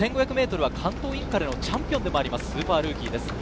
１５００ｍは関東インカレのチャンピオンでもあるルーキーです。